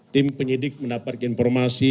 tim penyidik mendapatkan informasi